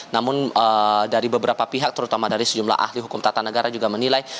namun dari beberapa pihak terutama dari sejumlah ahli hukum tata negara juga menilai